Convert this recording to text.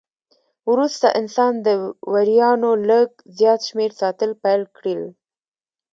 وروسته انسان د وریانو لږ زیات شمېر ساتل پیل کړل.